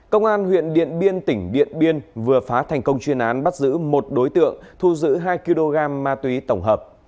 công an huyện điện biên tỉnh điện biên vừa phá thành công chuyên án bắt giữ một đối tượng thu giữ hai kg ma túy tổng hợp